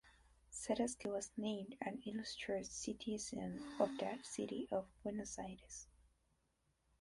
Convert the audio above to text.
Sadosky was named an Illustrious Citizen of the City of Buenos Aires.